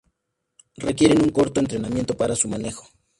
Requieren un corto entrenamiento para su manejo.